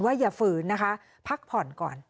อย่าฝืนนะคะพักผ่อนก่อน